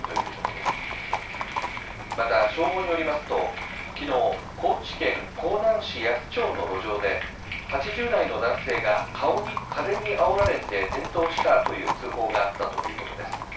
また消防によりますと、きのう、高知県香南市夜須町の路上で８０代の男性が風にあおられて転倒したという通報があったということです。